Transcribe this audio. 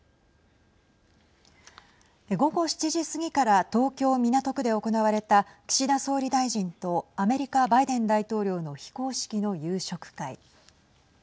午後７時過ぎから東京、港区で行われた岸田総理大臣とアメリカ、バイデン大統領の非公式の夕食会。